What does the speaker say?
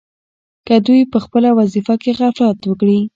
که دوی په خپله وظیفه کې غفلت وکړي.